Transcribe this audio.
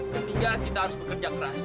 ketiga kita harus bekerja keras